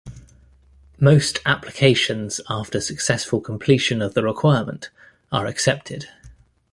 Most applications after successful completion of the requirement, are accepted.